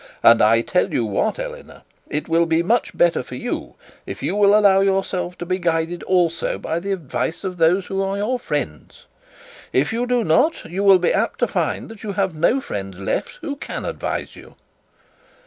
And I tell you what, Eleanor; it will be much better for you if you will allow yourself to be guided also by the advice of those who are your friends. If you do not you will be apt to find you have no friends left who can advise you.'